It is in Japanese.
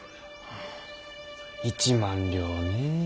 一万両ね。